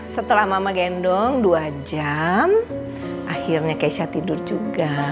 setelah mama gendong dua jam akhirnya keisha tidur juga